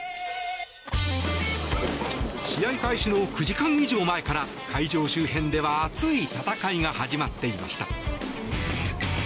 試合開始の９時間以上前から会場周辺では熱い戦いが始まっていました。